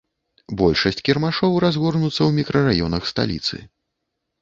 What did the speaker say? Большасць кірмашоў разгорнуцца ў мікрараёнах сталіцы.